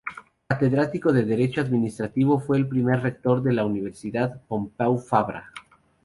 Catedrático de Derecho Administrativo, fue el primer rector de la Universidad Pompeu Fabra.